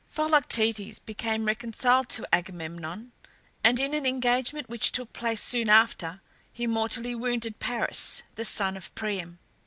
Philoctetes became reconciled to Agamemnon, and in an engagement which took place soon after, he mortally wounded Paris, the son of Priam.